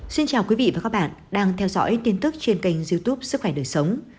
xin chào quý vị và các bạn đang theo dõi tin tức trên kênh youtube sức khỏe đời sống